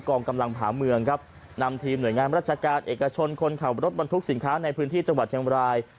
กองกำลังผ่าเมืองครับนำทีมหน่วยงานราชการเอกชนคนขับรถบรรทุกสินค้าในพื้นที่จังหวัดเชียงบราย